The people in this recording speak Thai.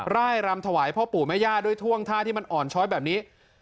ร่ายรำถวายพ่อปู่แม่ย่าด้วยท่วงท่าที่มันอ่อนช้อยแบบนี้